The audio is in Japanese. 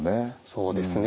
そうですね。